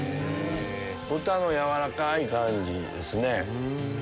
豚の軟らかい感じですね。